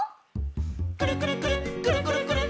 「くるくるくるっくるくるくるっ」